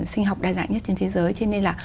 sinh học đa dạng nhất trên thế giới cho nên là